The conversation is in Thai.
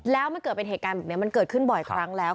แล้วมันเกิดเป็นเหตุการณ์แบบนี้มันเกิดขึ้นบ่อยครั้งแล้ว